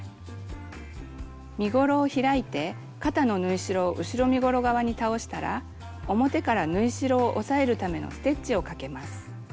身ごろを開いて肩の縫い代を後ろ身ごろ側に倒したら表から縫い代を押さえるためのステッチをかけます。